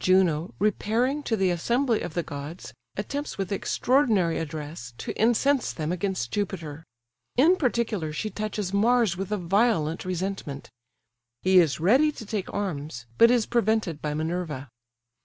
Juno, repairing to the assembly of the gods, attempts, with extraordinary address, to incense them against Jupiter; in particular she touches Mars with a violent resentment; he is ready to take arms, but is prevented by Minerva.